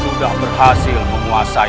sudah berhasil memuasai